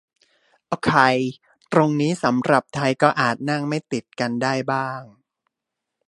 โอเค ตรงนี้สำหรับไทยก็อาจนั่งไม่ติดกันได้บ้าง